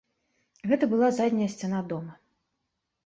Гэта была задняя сцяна дома.